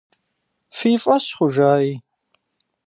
Фи фӀэщ хъужаи.